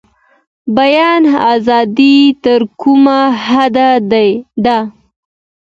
بیان ازادي تر کومه حده ده؟